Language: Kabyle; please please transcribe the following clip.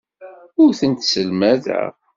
Ur tent-sselmadeɣ.